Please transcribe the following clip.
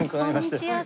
こんにちは。